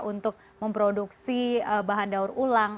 untuk memproduksi bahan daur ulang